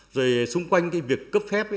rồi xung quanh cái việc cấp phép